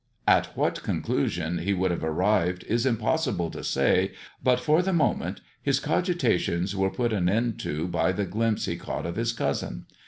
At what conclusion he would have arrived is impossible to say, but for the moment his cogitations were put an end to by the glimpse he caught of his cousin.